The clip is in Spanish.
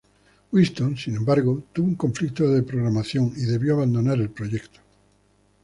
Winston, sin embargo, tuvo un conflicto de programación y debió abandonar el proyecto.